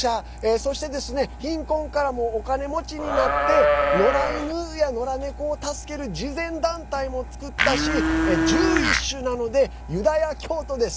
そして貧困からもお金持ちになって野良犬や野良猫を助ける慈善団体も作ったしジューイッシュなのでユダヤ教徒です。